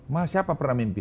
mah siapa pernah mimpi